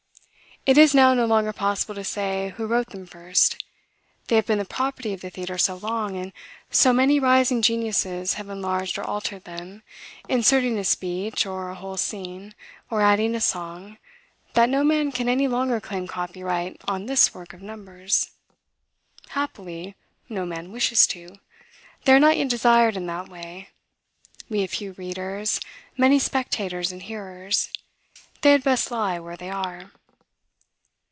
It is now no longer possible to say who wrote them first. They have been the property of the Theatre so long, and so many rising geniuses have enlarged or altered them, inserting a speech, or a whole scene, or adding a song, that no man can any longer claim copyright on this work of numbers. Happily, no man wishes to. They are not yet desired in that way. We have few readers, many spectators and hearers. They had best lie where they are.